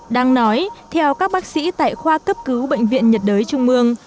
đang nói theo các bác sĩ tại khoa cấp cứu bệnh viện nhiệt đới trung mương